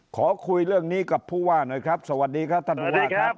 ขอคุยเรื่องนี้กับผู้ว่าหน่อยครับสวัสดีครับท่านผู้ว่าครับ